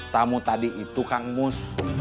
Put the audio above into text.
tamu tadi itu kang mus